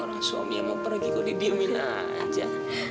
orang suami yang mau pergi kok didiemin aja